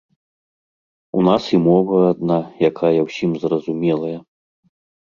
У нас і мова адна, якая ўсім зразумелая.